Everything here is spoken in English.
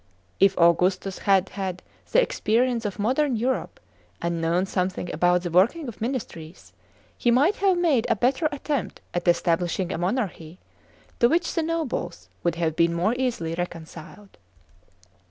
If Augustus had had the experience of modern Europe, and known something about the working of ministries, he might have made a better attempt at establishing a monarchy, to which the nobles would have been more .easily reconciled.